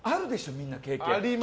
みんな、経験。